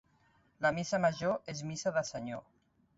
La missa major és missa de senyor.